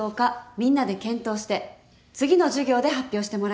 みんなで検討して次の授業で発表してもらいます。